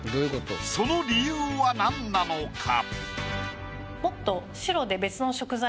その理由はなんなのか？